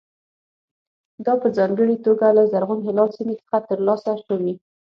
دا په ځانګړې توګه له زرغون هلال سیمې څخه ترلاسه شوي.